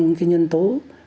những cái nhân tố